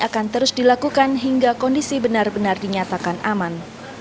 akan terus dilakukan hingga kondisi benar benar dinyatakan aman